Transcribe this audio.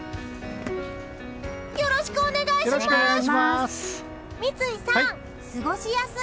よろしくお願いします！